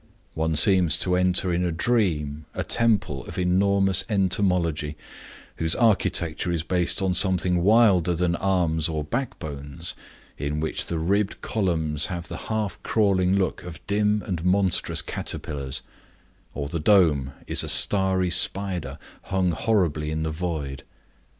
One seems to enter in a dream a temple of enormous entomology, whose architecture is based on something wilder than arms or backbones; in which the ribbed columns have the half crawling look of dim and monstrous caterpillars; or the dome is a starry spider hung horribly in the void.